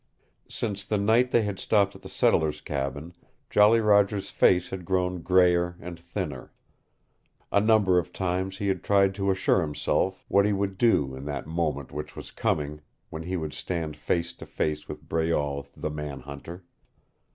Since the night they had stopped at the settler's cabin Jolly Roger's face had grown grayer and thinner. A number of times he had tried to assure himself what he would do in that moment which was coming when he would stand face to face with Breault the man hunter.